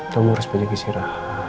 kamu harus berjaga jaga